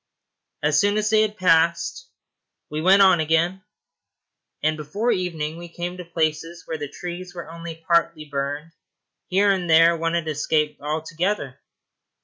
As soon as they had passed, we went on again, and before evening we came to places where the trees were only partly burned; here and there one had escaped altogether.